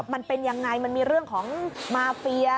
มันเป็นยังไงมันมีเรื่องของมาเฟีย